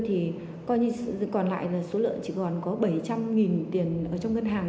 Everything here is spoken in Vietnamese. thì coi như còn lại là số lượng chỉ còn có bảy trăm linh tiền ở trong ngân hàng